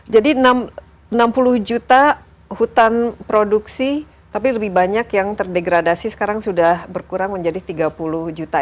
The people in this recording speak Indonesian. jadi enam puluh juta hutan produksi tapi lebih banyak yang terdegradasi sekarang sudah berkurang menjadi tiga puluh juta